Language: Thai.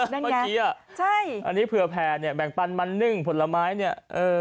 เมื่อกี้อ่ะใช่อันนี้เผื่อแผ่เนี่ยแบ่งปันมันนึ่งผลไม้เนี่ยเออ